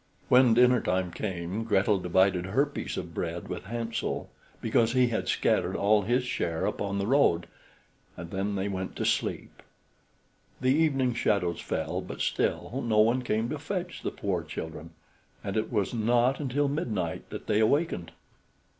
When dinner time came, Gretel divided her piece of bread with Hansel, because he had scattered all his share upon the road; and then they went to sleep. The evening shadows fell, but still no one came to fetch the poor children, and it was not until midnight that they awakened.